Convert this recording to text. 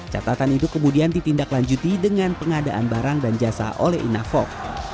catatan itu kemudian ditindaklanjuti dengan pengadaan barang dan jasa oleh inafok